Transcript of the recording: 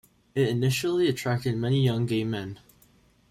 It initially attracted many young gay men.